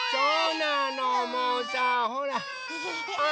もうさほらあ